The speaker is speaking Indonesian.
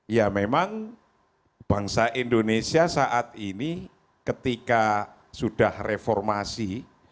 ya memang bangsa indonesia saat ini ketika sudah reformasi